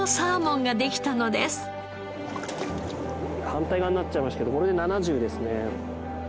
反対側になっちゃいましたけどこれで７０ですね。